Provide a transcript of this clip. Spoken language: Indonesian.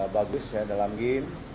bagus dalam game